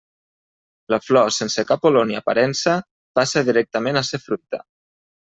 La flor, sense cap color ni aparença, passa directament a ser fruita.